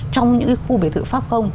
trong những cái khu biệt thự pháp không